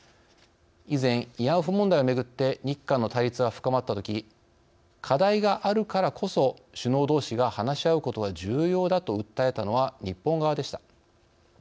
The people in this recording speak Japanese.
以前、慰安婦問題をめぐって日韓の対立が深まったとき課題があるからこそ首脳どうしが話し合うことが重要だと訴えたのは日本側でした。